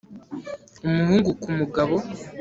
umuhungu ku mugabo